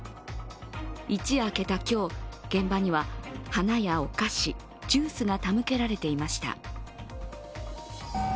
一夜明けた今日、現場には花やお菓子ジュースが手向けられていました。